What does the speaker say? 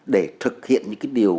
để thực hiện những điều